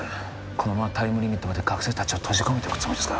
このままタイムリミットまで学生達を閉じ込めておくつもりですか？